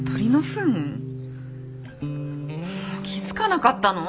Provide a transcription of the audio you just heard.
もう気付かなかったの？